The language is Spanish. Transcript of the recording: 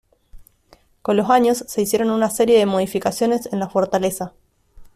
Con los años, se hicieron una serie de modificaciones en la fortaleza.